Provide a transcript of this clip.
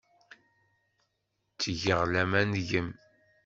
Ttgeɣ laman deg-m.